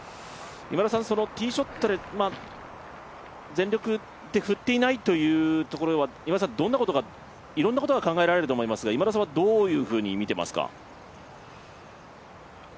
ティーショットで全力で振っていないということは、いろんなことが考えられると思いますが、どういうふうに見ていますか？